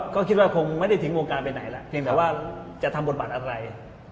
ก็คิดว่าคงไม่ได้ทิ้งวงการไปไหนล่ะเพียงแต่ว่าจะทำบทบาทอะไร